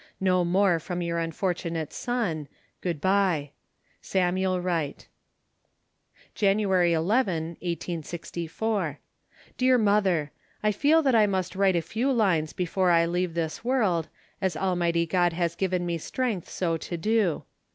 No more from your unfortunate son, "Good bye." "SAMUEL WRIGHT." "Jan. 11, 1864. "Dear Mother, I feel that I must write a few lines before I leave this world, as Almighty God has given me strength so to do.